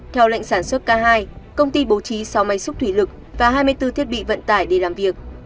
theo lệnh sản xuất k hai công ty bố trí sáu máy xúc thủy lực và hai mươi bốn thiết bị vận tải để làm việc